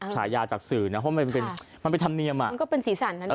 ฉายาจากสื่อนะเพราะมันเป็นมันเป็นธรรมเนียมอ่ะมันก็เป็นสีสันนะเน